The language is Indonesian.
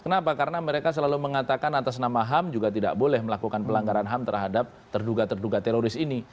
kenapa karena mereka selalu mengatakan atas nama ham juga tidak boleh melakukan pelanggaran ham terhadap terduga terduga teroris ini